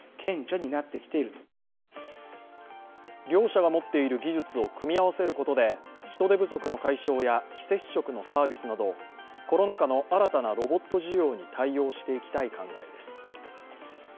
両社が持っている技術を組み合わせることで人手不足の解消や非接触のサービスなどコロナ禍の新たなロボット需要に対応していきたい考えです。